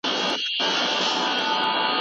د نورو د عزت ساتل زموږ د ټولو مسؤليت دی.